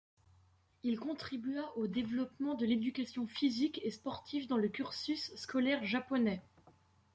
Il contribua au développement de l'éducation physique et sportive dans le cursus scolaire japonais.